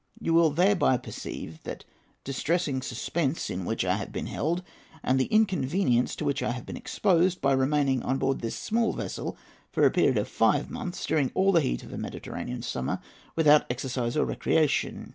You will thereby perceive the distressing suspense in which I have been held, and the inconvenience to which I have been exposed, by remaining on board this small vessel for a period of five months, during all the heat of a Mediterranean summer, without exercise or recreation.